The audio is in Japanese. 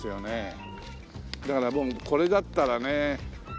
だからもうこれだったらね。